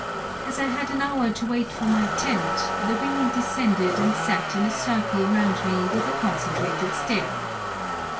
As I had an hour to wait for my tent, the women descended and sat in a circle round me with a concentrated stare.